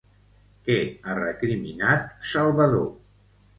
Què ha recriminat Salvador?